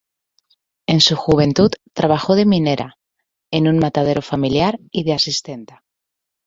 En su juventud trabajó de minera, en un matadero familiar y de asistenta.